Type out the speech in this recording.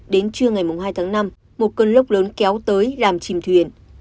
đến trưa ngày hai tháng năm một cơn lốc lớn kéo tới làm chìm thuyền